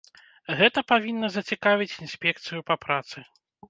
Гэта павінна зацікавіць інспекцыю па працы.